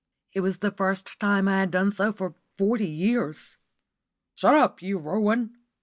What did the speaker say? It was the first time I had done so for forty years. "Shut up, you ruin!"